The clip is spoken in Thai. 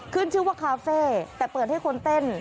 ขึ้นชื่อว่าคาเฟ่แต่เปิดให้คนเต้น